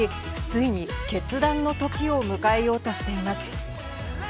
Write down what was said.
ついに決断の時を迎えようとしています。